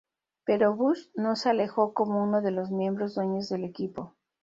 Pero Bush no se alejó como uno de los miembros dueños del equipo.